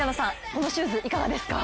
このシューズいかがですか？